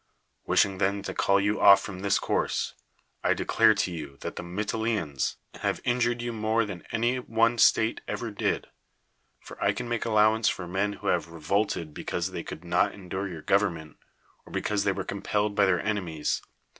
Wishing then to call you off from this course, I declare to you that the ]\lytilenoans have in jured you more than any one state ever did. For I can make ajlowance for men wlio have revolted because they could not er.dure your government, or because they were compelled by their enemies.